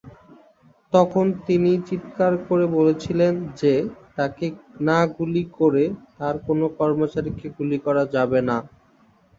তখন তিনি চিৎকার করে বলেছিলেন যে তাকে না গুলি করে তার কোন কর্মচারীকে গুলি করা যাবে না।